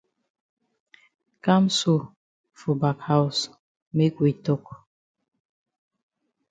Kam so for back haus make we tok.